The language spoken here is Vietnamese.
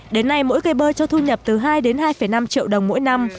đến nay mỗi cây bơ cho thu nhập từ hai đến hai năm triệu đồng mỗi năm